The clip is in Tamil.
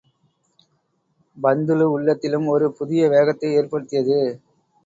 பந்துலு உள்ளத்திலும் ஒரு புதிய வேகத்தை ஏற்படுத்தியது.